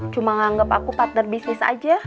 cuma anggap aku partner bisnis aja